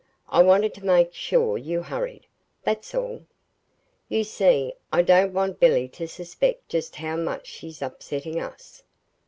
I wanted to make sure you hurried, that's all. You see, I don't want Billy to suspect just how much she's upsetting us.